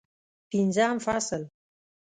پنځم فصل